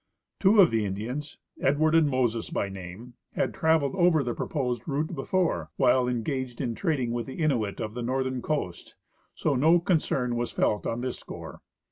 Two of the Indians, Edward and Moses by name, had traveled over the proposed route before, while engaged in trading with the Innuit of the northern coast, so no concern was felt on this score.